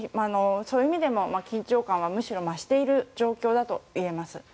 そういう意味でも緊張感はむしろ増している状況だといえます。